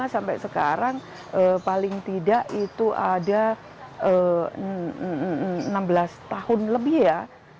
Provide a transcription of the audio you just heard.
sampai sekarang paling tidak itu ada enam belas tahun lebih ya